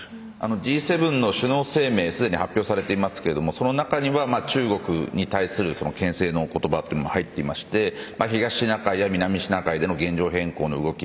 Ｇ７の首脳声明既に発表されていますけどその中には中国に対するけん制の言葉も入っていて東シナ海や南シナ海での現状変更の動き